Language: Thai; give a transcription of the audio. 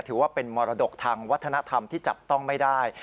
ถือว่าเป็นมรดกทางวัฒนธรรมที่จับต้องไม่ได้